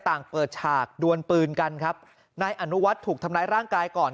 เปิดฉากดวนปืนกันครับนายอนุวัฒน์ถูกทำร้ายร่างกายก่อน